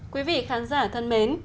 quý vị khán giả thân mến